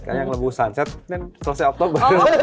kan yang lebih sunset selesai opto baru